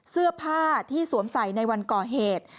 เสื้อผ้าที่สวมใส่ในวันก่อเหตุ